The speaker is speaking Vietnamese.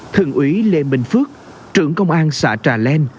thượng úy lê minh phước trưởng công an xã trà leng